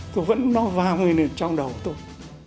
tôi vẫn nó vang lên trong đầu tôi